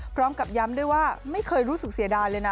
พร้อมกับย้ำด้วยว่าไม่เคยรู้สึกเสียดายเลยนะ